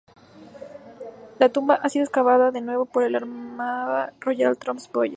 La tumba ha sido excavada de nuevo por el "Amarna Royal Tombs Project".